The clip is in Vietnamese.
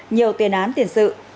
nhiều tiền án tiền sự